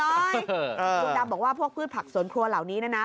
คุณดำบอกว่าพวกพืชผักสวนครัวเหล่านี้นะนะ